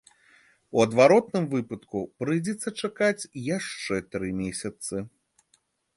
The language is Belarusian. У адваротным выпадку прыйдзецца чакаць яшчэ тры месяцы.